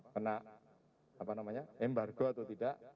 kena apa namanya embargo atau tidak